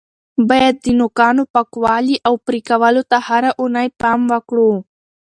باید د نوکانو پاکوالي او پرې کولو ته هره اونۍ پام وکړو.